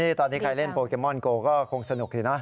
นี่ตอนนี้ใครเล่นโปเกมอนโกก็คงสนุกอยู่นะ